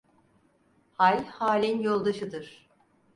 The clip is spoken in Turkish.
Hal halin yoldaşıdır.